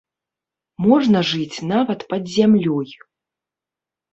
Можна жыць нават пад зямлёй.